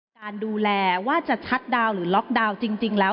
การดูแลว่าจะชัดดาวน์หรือล็อกดาวน์จริงแล้ว